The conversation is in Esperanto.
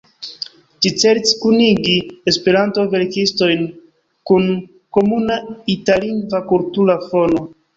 Ĝi celis kunigi Esperanto-verkistojn kun komuna itallingva kultura fono.